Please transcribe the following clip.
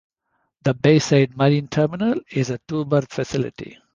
The Bayside Marine Terminal is a two berth facility.